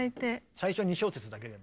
最初２小節だけでも。